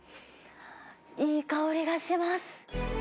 いい香りがします。